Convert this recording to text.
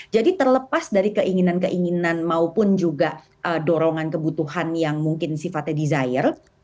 jadi terlepas dari keinginan keinginan maupun juga dorongan kebutuhan yang mungkin sifatnya desire